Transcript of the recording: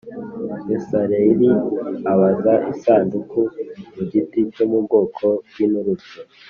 Besaleli abaza Isanduku mu giti cyo mu bwoko bw inturusu